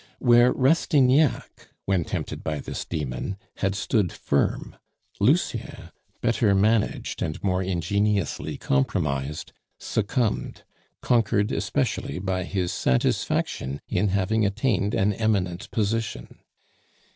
Where Rastignac, when tempted by this demon, had stood firm, Lucien, better managed, and more ingeniously compromised, succumbed, conquered especially by his satisfaction in having attained an eminent position.